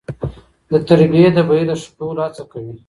د تربيې د بهیر د ښه کولو هڅه کوي.